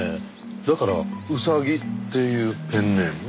だから「ウサギ」っていうペンネーム？